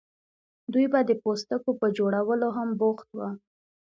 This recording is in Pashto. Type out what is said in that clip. دوی به د پوستکو په جوړولو هم بوخت وو.